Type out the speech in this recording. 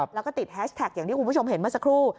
แล้วก็ติดแฮชแท็กอย่างที่คุณผู้ชมเห็นเมื่อสักครู่